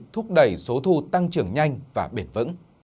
thúc đẩy số thu tăng trưởng nhanh và bền vững